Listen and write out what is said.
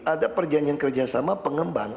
ada perjanjian kerjasama pengembang